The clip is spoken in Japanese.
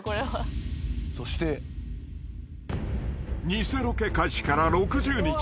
［偽ロケ開始から６０日］